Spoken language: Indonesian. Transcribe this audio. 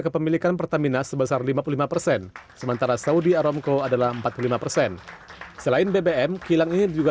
dan mengembangkan kedua duanya